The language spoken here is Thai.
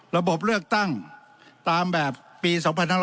ระบบเลือกตั้งตามแบบปี๒๕๖๒